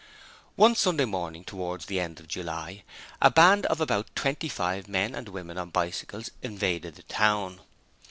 One Sunday morning towards the end of July, a band of about twenty five men and women on bicycles invaded the town.